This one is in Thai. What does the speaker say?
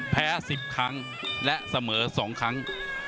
แพ้๑๐ครั้งและเสมอ๒ครั้ง